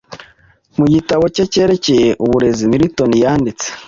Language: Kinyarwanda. Mu gitabo cye cyerekeye uburezi Milton yaranditse